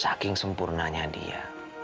saking sempurnanya dia